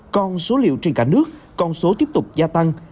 còn số liệu trên cả nước con số tiếp tục gia tăng